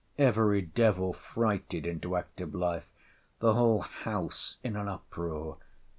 Every devil frighted into active life: the whole house in an uproar.